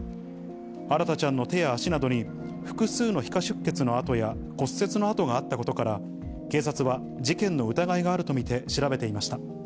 あらたちゃんの手や足などに複数の皮下出血の痕や、骨折の痕があったことから、警察は事件の疑いがあると見て調べていました。